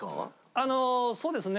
あのそうですね。